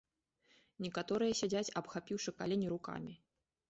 Некаторыя сядзяць, абхапіўшы калені рукамі.